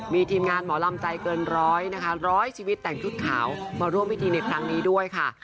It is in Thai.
มีทีมงานหมอลำใจเกินร้อยนะคะร้อยชีวิตแต่งชุดขาวมาร่วมพิธีในครั้งนี้ด้วยค่ะ